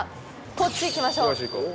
こっち行きましょう。